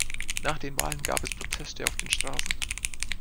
Nach den Wahlen gab es Proteste auf den Straßen.